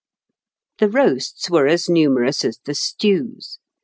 ] The roasts were as numerous as the stews.